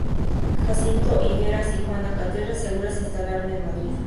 Jacinto Higueras y Juana Cátedra Segura se instalaron en Madrid.